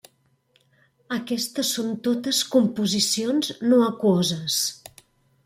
Aquestes són totes composicions no aquoses.